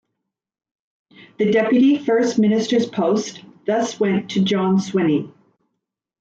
The Deputy First Minister's post thus went to John Swinney.